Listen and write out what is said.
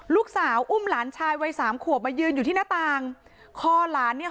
ลูกสาวอุ้มหลานชายวัยสามขวบมายืนอยู่ที่หน้าต่างคอหลานเนี่ย